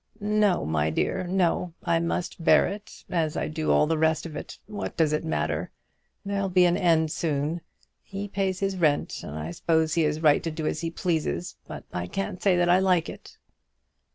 "No, my dear, no. I must bear it, as I do all the rest of it. What does it matter? There'll be an end of it soon. He pays his rent, and I suppose he is right to do as he pleases. But I can't say that I like it."